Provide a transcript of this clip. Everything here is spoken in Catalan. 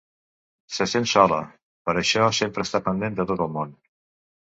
Se sent sola, per això sempre està pendent de tot el món.